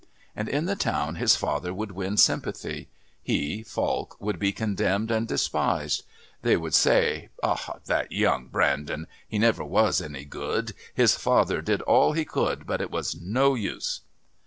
And in the town his father would win sympathy; he, Falk, would be condemned and despised. They would say: "Ah, that young Brandon. He never was any good. His father did all he could, but it was no use...."